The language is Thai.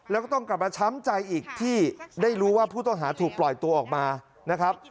แล้วก็ต้องกลับมาช้ำใจอีกที่ได้รู้ว่าผู้ต้องหาถูกปล่อยตัวออกมานะครับ